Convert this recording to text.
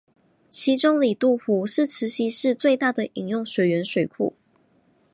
其中里杜湖是慈溪市最大的饮用水源水库。